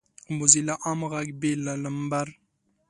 موزیلا عام غږ بې له نمبر